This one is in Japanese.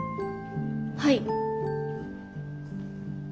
はい。